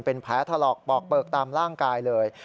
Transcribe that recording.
เป็นแผลถลอกปอกเปลือกตามร่างกายเลย